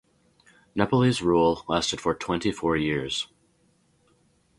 Nepalese rule lasted for twenty-four years.